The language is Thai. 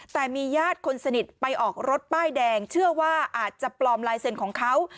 แต่มีญาติคนสนิทไปออกรถป้ายแดงเชื่อว่าอาจจะปลอมลายเซ็นต์ของเขา